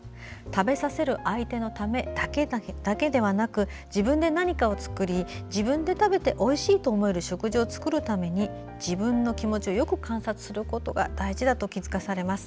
食べさせる相手のためだけではなく自分で何かを作り自分で食べておいしいと思える食事を作るために自分の気持ちをよく観察することが大事だと気付かされます。